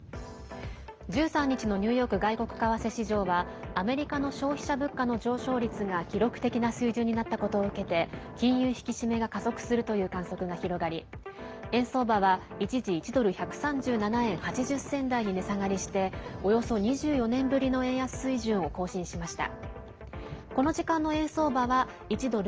１３日のニューヨーク外国為替市場はアメリカの消費者物価の上昇率が記録的な水準になったことを受けて金融引き締めが加速するという観測が広がり円相場は一時１ドル＝１３７円８０銭台に値下がりしておよそ２４年ぶりの円安水準を更新しました。